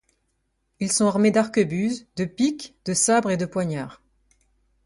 Ils sont armés d'arquebuses, de piques, de sabres et de poignards.